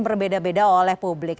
berbeda beda oleh publik